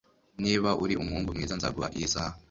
Niba uri umuhungu mwiza, nzaguha iyi saha.